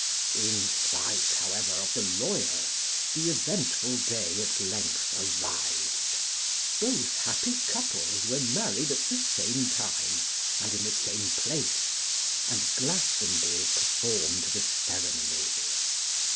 In spite, however, of the lawyers, the eventful day at length arrived. Both happy couples were married at the same time and in the same place, and Glastonbury performed the ceremony.